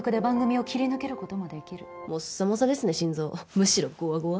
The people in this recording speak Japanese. むしろゴワゴワ？